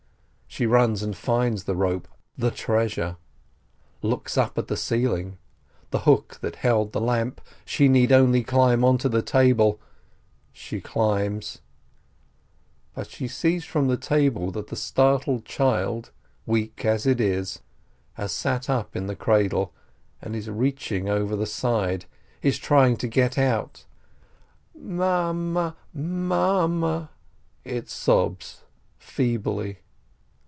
She runs and finds the rope, the treasure, looks up at the ceiling — the hook that held the lamp — she need only climb onto the table. She climbs — But she sees from the table that the startled child, weak as it is, has sat up in the cradle, and is reaching over the side — it is trying to get out — "Mame, M mame," it sobs feebly.